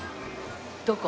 どこ？